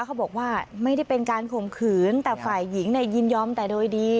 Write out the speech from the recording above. เขาบอกว่าไม่ได้เป็นการข่มขืนแต่ฝ่ายหญิงยินยอมแต่โดยดี